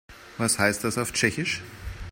Was heißt das auf Tschechisch?